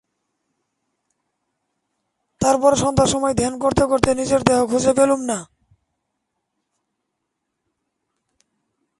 তারপর সন্ধ্যার সময় ধ্যান করতে করতে নিজের দেহ খুঁজে পেলুম না।